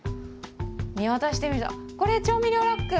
見渡してみるとこれ調味料ラック！